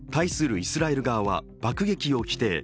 イスラエル側は爆撃を否定。